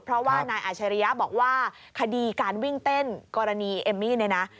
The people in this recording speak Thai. เพราะว่านายอาชริยะบอกว่าคดีการวิ่งเต้นกรณีเอมมี่เนี่ยนะ